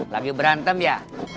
lagi berantem ya